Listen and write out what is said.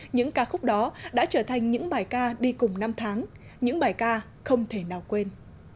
những ca khúc đó đã trở thành những bài ca đi cùng năm tháng những bài ca không thể nào quên